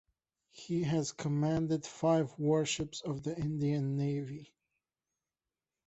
He has commanded five warships of the Indian Navy.